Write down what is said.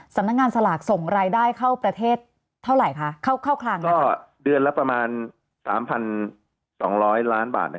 สำนักงานสลากส่งรายได้เข้าประเทศเท่าไหร่ค่ะเข้าก็เดือนละประมาณ๓๒๐๐๐๐๐๐๐บาท